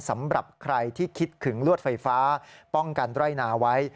สำหรับใครที่คิดถึงลวดไฟฟ้าป้องกันไร่นาไว้